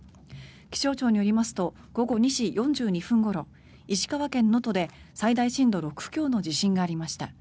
気象庁によりますと午後２時４２分ごろ石川県能登で最大震度６強の地震がありました。